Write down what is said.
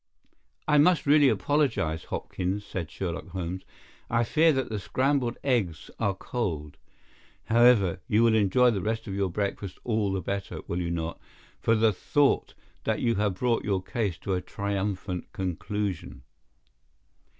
"I must really apologize, Hopkins," said Sherlock Holmes. "I fear that the scrambled eggs are cold. However, you will enjoy the rest of your breakfast all the better, will you not, for the thought that you have brought your case to a triumphant conclusion."